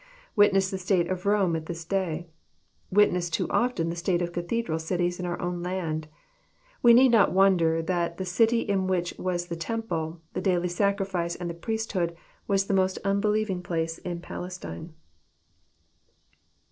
Witness the state of Rome at this day. Witness too often the state of cathedral cities in our own land. We need not wonder that the city in which was the temple, the daily sacrifice, and the priesthood, was the most unbelieving place in Palestine.